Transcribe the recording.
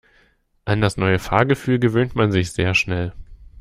An das neue Fahrgefühl gewöhnt man sich sehr schnell.